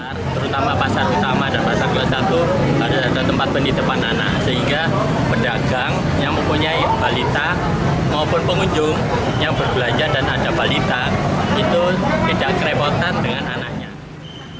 terutama pasar utama dan pasar dua puluh satu harus ada tempat penitipan anak sehingga pedagang yang mempunyai balita maupun pengunjung yang berbelanja dan ada balita itu tidak kerepotan dengan anaknya